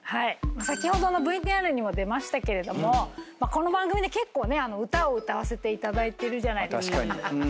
先ほどのＶＴＲにも出ましたけれどもこの番組で結構ね歌を歌わせていただいてるじゃないですか。